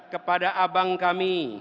kepada abang kami